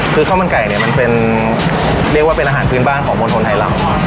คือข้าวมันไก่เนี่ยมันเป็นเรียกว่าเป็นอาหารพื้นบ้านของมณฑลไทยเรา